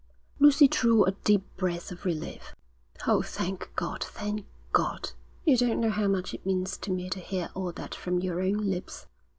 Lucy drew a deep breath of relief. 'Oh, thank God! Thank God! You don't know how much it means to me to hear all that from your own lips.